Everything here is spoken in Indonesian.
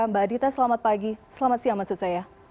mbak adita selamat pagi selamat siang maksud saya